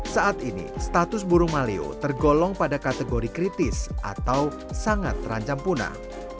saat ini status burung maleo tergolong pada kategori kritis atau sangat terancam punah